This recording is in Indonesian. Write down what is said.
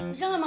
bisa enggak ma